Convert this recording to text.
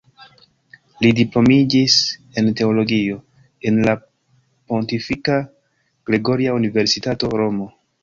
Li diplomiĝis en teologio en la Pontifika Gregoria Universitato, Romo.